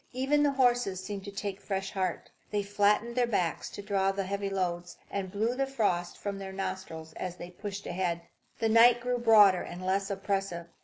Even the horses seemed to take fresh heart. They flattened their backs to draw the heavy loads, and blew the frost from their nostrils as they pushed ahead. The night grew broader and less oppressive.